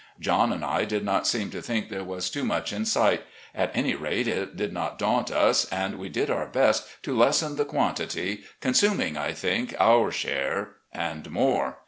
John and I did not seem to think there was too much in sight — at any rate, it did not daunt us, and we did our best to lessen the quantity, con suming, I think, our share and more